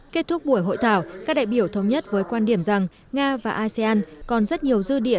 kết thúc buổi hội thảo các đại biểu thống nhất với quan điểm rằng nga và asean còn rất nhiều dư địa